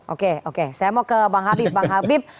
oke oke saya mau ke bang habib